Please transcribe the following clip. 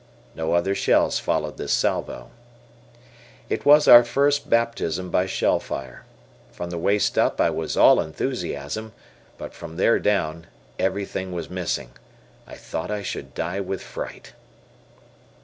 No other shells followed this salvo. It was our first baptism by shell fire. From the waist up I was all enthusiasm, but from there down, everything was missing. I thought I should die with fright.